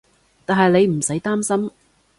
但係你唔使擔心